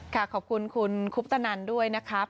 ขอบคุณคุณคุปตนันด้วยนะครับ